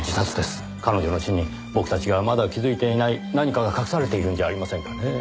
彼女の死に僕たちがまだ気づいていない何かが隠されているんじゃありませんかねぇ。